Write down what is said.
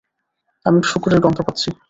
আমি শুকরের গন্ধ পাচ্ছি।